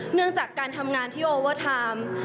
เนื่องจากการทำงานที่โอเวอร์ไทม์